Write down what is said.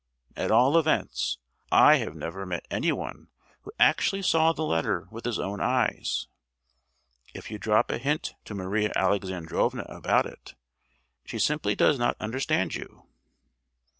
At all events, I have never met anyone who actually saw the letter with his own eyes. If you drop a hint to Maria Alexandrovna about it, she simply does not understand you.